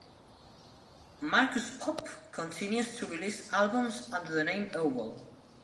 Markus Popp continues to release albums under the name Oval.